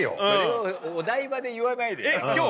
それお台場で言わないで。